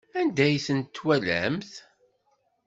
Anda ay tent-twalamt?